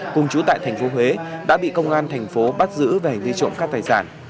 cùng chú tại thành phố huế đã bị công an thành phố bắt giữ về đi trộm các tài sản